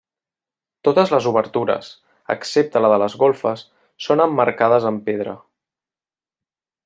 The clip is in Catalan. Totes les obertures, excepte la de les golfes, són emmarcades amb pedra.